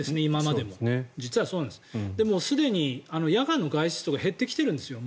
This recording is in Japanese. で、もうすでに夜間の外出とか減ってきてるんですよ。